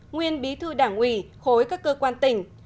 nguyên bí thư đảng ủy khối các cơ quan tỉnh